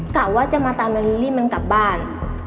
กะว่าจะมาตามเลลิ่มันกลับบ้าน